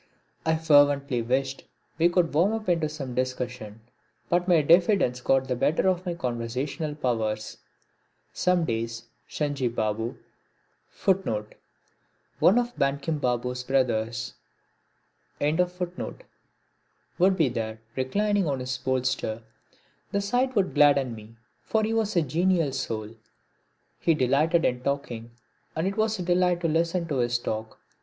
I fervently wished we could warm up into some discussion, but my diffidence got the better of my conversational powers. Some days Sanjib Babu would be there reclining on his bolster. The sight would gladden me, for he was a genial soul. He delighted in talking and it was a delight to listen to his talk.